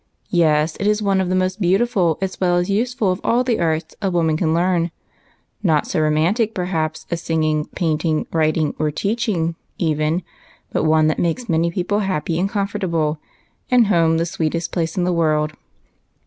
" Yes ; it is one of the most beautiful as well as use ful of all the arts a woman can learn. Not so roman tic, perhaps, as singing, painting, writing, or teaching, even ; but one that makes many happy and comforta ble, and home the sweetest place in the world.